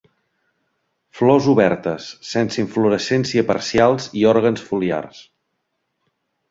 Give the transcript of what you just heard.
Flors obertes, sense inflorescència parcials i òrgans foliars.